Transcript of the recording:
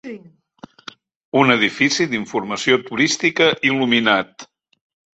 Un edifici d'informació turística il·luminat.